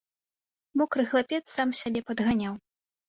Мокры хлапец сам сябе падганяў.